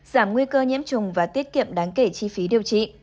giảm nguy cơ nhiễm trùng và tiết kiệm đáng kể chi phí điều trị